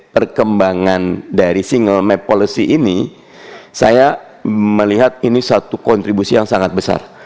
perkembangan dari single map policy ini saya melihat ini satu kontribusi yang sangat besar